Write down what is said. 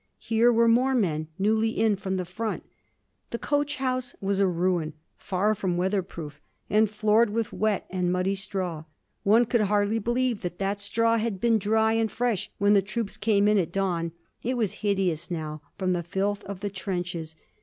Here were more men, newly in from the front. The coach house was a ruin, far from weather proof and floored with wet and muddy straw. One could hardly believe that that straw had been dry and fresh when the troops came in at dawn. It was hideous now, from the filth of the trenches.